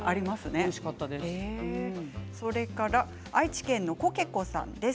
それから愛知県の方です。